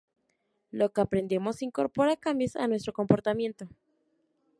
Lo que aprendemos incorpora cambios a nuestro comportamiento.